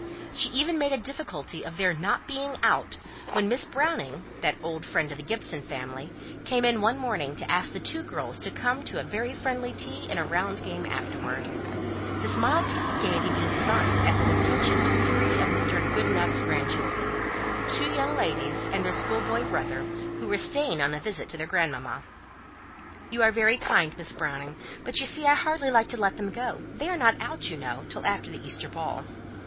She even made a difficulty about their "not being out" when Miss Browning that old friend of the Gibson family came in one morning to ask the two girls to come to a friendly tea and a round game afterwards; this mild piece of gaiety being designed as an attention to three of Mrs. Goodenough's grandchildren two young ladies and their schoolboy brother who were staying on a visit to their grand mamma. "You are very kind, Miss Browning, but, you see, I hardly like to let them go they are not out, you know, till after the Easter ball."